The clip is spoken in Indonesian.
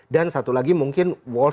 dan satu lagi mungkin